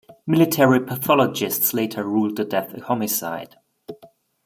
Military pathologists later ruled the death a homicide.